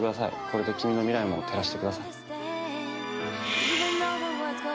これで君の未来も照らしてください。